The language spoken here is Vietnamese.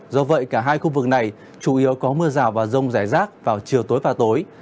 do vậy cả hai khu vực này chủ yếu có mưa rào và rông rải rác vào chiều tối và tối